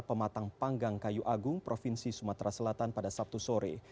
pematang panggang kayu agung provinsi sumatera selatan pada sabtu sore